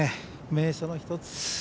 名所の一つ。